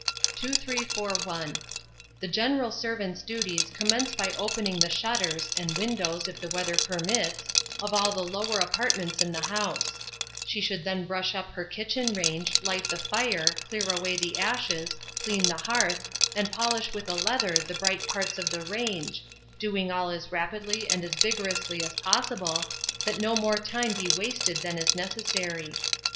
2341. The general servant's duties commence by opening the shutters (and windows, if the weather permits) of all the lower apartments in the house; she should then brush up her kitchen range, light the fire, clear away the ashes, clean the hearth, and polish with a leather the bright parts of the range, doing all as rapidly and as vigorously as possible, that no more time be wasted than is necessary.